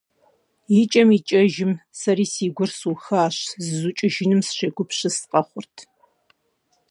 ИкӀэм-икӀэжым, сэри си гур сухащ: зызукӀыжыным сыщегупсыс къэхъурт.